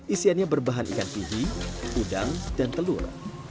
isiannya berbahan ikan pidi udang dan telur